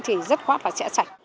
thì rất khoát và sẽ sạch